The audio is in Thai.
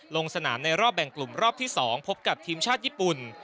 ลงสนามในรอบแบ่งกลุ่มรอบที่๒พบกับทีมชาติญี่ปุ่น